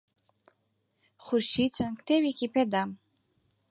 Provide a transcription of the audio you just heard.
خورشید چەند کتێبێکی پێدام.